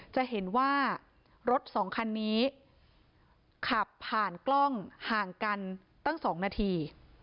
จะเห็นว่ารถสองคันนี้ขับผ่านกล้องห่างกันตั้ง๒นาที